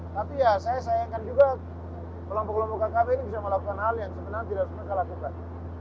tapi ya saya sayangkan juga kelompok kelompok kkb ini bisa melakukan hal yang sebenarnya tidak harus mereka lakukan